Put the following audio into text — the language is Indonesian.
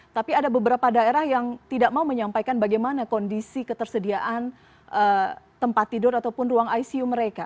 tapi ada beberapa daerah yang tidak mau menyampaikan bagaimana kondisi ketersediaan tempat tidur ataupun ruang icu mereka